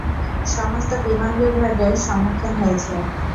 সমস্ত বিমান বিভ্রাটের সম্মুখীন হয়েছে।